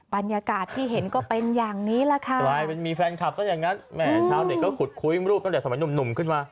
บรรยากาศที่เห็นก็เป็นอย่างนี้แหละค่ะกลายเป็นมีแฟนคลับซะอย่างนั้นแหมชาวเน็ตก็ขุดคุยรูปตั้งแต่สมัยหนุ่มขึ้นมา